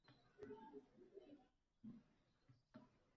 Oyim tovoqni yana men tomonga surdi.